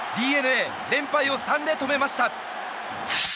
ＤｅＮＡ連敗を３で止めました。